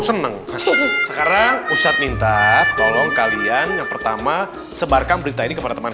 seneng sekarang ustadz minta tolong kalian yang pertama sebarkan berita ini kepada teman